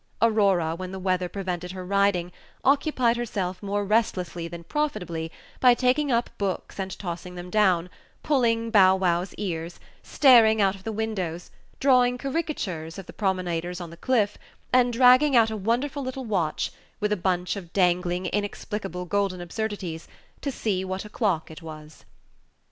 Aurora, when the weather prevented her riding, occupied herself more restlessly than profitably by taking up books and tossing them down, pulling Bow wow's ears, staring out of the windows, drawing caricatures of the promenaders on the cliff, and dragging out a wonderful little watch, with a bunch of dangling inexplicable golden absurdities, to see what o'clock it was.